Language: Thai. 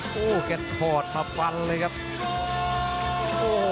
โอ้โหแก่ถอดมาฟันเลยครับโอ้โห